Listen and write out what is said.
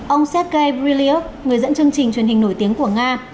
ông sergei briliok người dẫn chương trình truyền hình nổi tiếng của nga